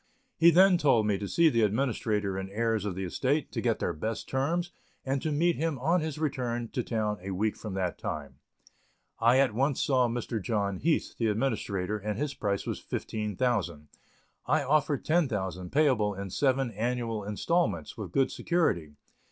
He then told me to see the administrator and heirs of the estate, to get their best terms, and to meet him on his return to town a week from that time. I at once saw Mr. John Heath, the administrator, and his price was $15,000. I offered $10,000, payable in seven annual instalments, with good security.